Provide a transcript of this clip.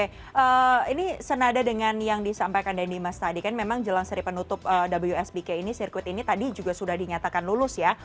oke ini senada dengan yang disampaikan dan dimas tadi kan memang jelang seri penutup wsbk ini sirkuit ini tadi juga sudah dinyatakan lulus ya